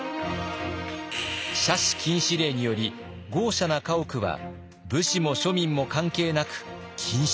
奢侈禁止令により豪奢な家屋は武士も庶民も関係なく禁止。